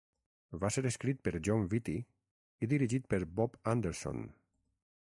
Va ser escrit per Jon Vitti i dirigit per Bob Anderson.